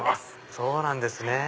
そうなんですね。